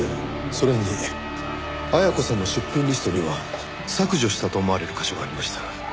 それに絢子さんの出品リストには削除したと思われる箇所がありました。